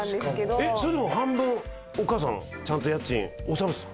それでも半分お母さんちゃんと家賃納めてたの？